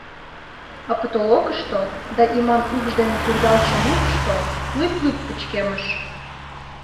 А «потолокышто» да иман укш дене пӱрдалтше лукышто — лӱп-лӱп пычкемыш.